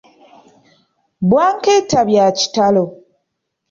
Bwankeeta bya kitalo.